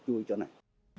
sức vui cho này